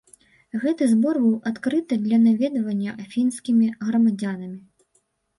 Гэты збор быў адкрыта для наведвання афінскімі грамадзянамі.